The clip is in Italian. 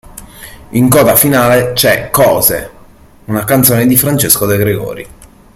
In coda finale c'è "Cose", una canzone di Francesco De Gregori.